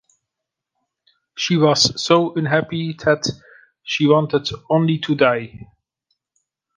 She was so unhappy that she wanted only to die.